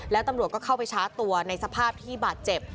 แล้วตำรวจก็เข้าไปชาร์จตัวในสภาพที่บาดเจ็บ